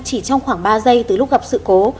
chỉ trong khoảng ba giây từ lúc gặp sự cố